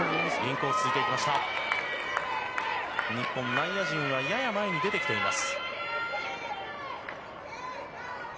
日本内野陣はやや前に出てきています。